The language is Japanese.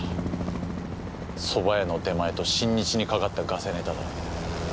そば屋の出前と新日にかかったガセネタだ。